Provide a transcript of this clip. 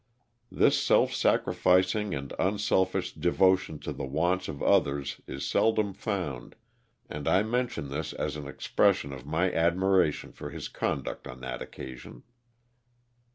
This self sacrificing and unselfish devo tion to the wants of others is seldom found, and I mention this as an expression of my admiration for his conduct on that occasion.